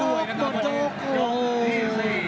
หมดโยกหมดโยกนี่ซิ